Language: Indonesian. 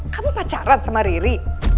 kamu pacaran sama riri